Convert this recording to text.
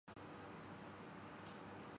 تاریخ کے لیے زیادہ ترکتابوں سے رجوع کیا جاتا ہے۔